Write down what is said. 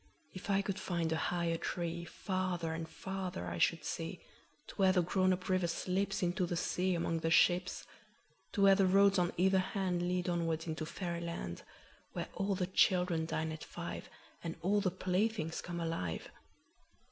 If I could find a higher treeFarther and farther I should see, To where the grown up river slipsInto the sea among the ships. To where the roads on either handLead onward into fairy land, Where all the children dine at five, And all the playthings come alive.